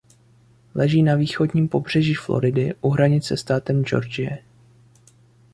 Leží na severovýchodním pobřeží Floridy u hranic se státem Georgie.